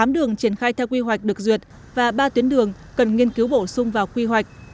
tám đường triển khai theo quy hoạch được duyệt và ba tuyến đường cần nghiên cứu bổ sung vào quy hoạch